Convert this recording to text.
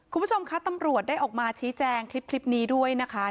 คุณผู้ชมคะตำรวจได้ออกมาชี้แจงคลิปนี้ด้วยนะคะ